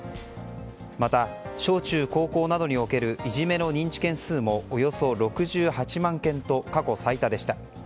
また、小中高校などにおけるいじめの認知件数もおよそ６８万件と過去最多でした。